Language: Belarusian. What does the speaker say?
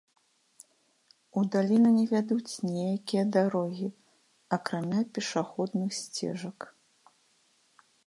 У даліну не вядуць ніякія дарогі, акрамя пешаходных сцежак.